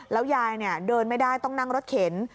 แล้วยายเดินไม่ได้ต้องนั่งรถเข็น